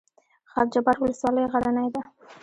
خاک جبار ولسوالۍ غرنۍ ده؟